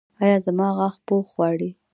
ایا زما غاښ پوښ غواړي؟